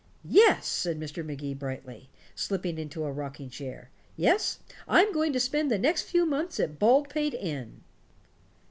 "Yes," said Mr. Magee brightly, slipping into a rocking chair. "Yes, I'm going to spend the next few months at Baldpate Inn."